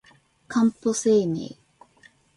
かんぽ生命